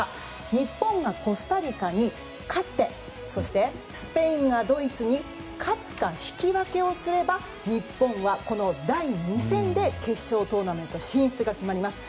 日本がコスタリカに勝って、そしてスペインがドイツに勝つか引き分けをすれば日本は第２戦で決勝トーナメント進出が決まります。